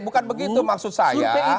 bukan begitu maksud saya